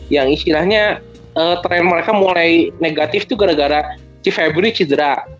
yang istilahnya trend mereka mulai negatif tuh gara gara si fabri si cedra